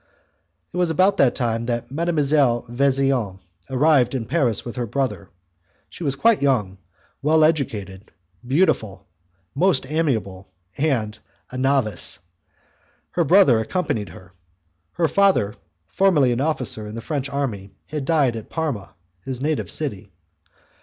It was about that time that Mdlle. Vesian arrived in Paris with her brother. She was quite young, well educated, beautiful, most amiable, and a novice; her brother accompanied her. Her father, formerly an officer in the French army, had died at Parma, his native city.